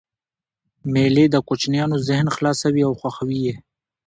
مېلې د کوچنيانو ذهن خلاصوي او خوښوي یې.